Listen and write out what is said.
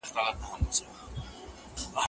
د دې سړي ظاهري څېره باید په بشپړ ډول بدله شي.